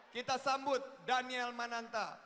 kita sambut daniel mananta